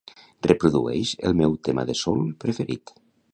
Reprodueix el meu tema de soul preferit.